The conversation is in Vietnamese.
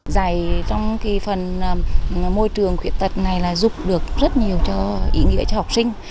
giải trong phần môi trường khuyết tật này là giúp được rất nhiều ý nghĩa cho học sinh